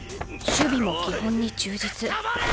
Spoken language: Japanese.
守備も基本に忠実。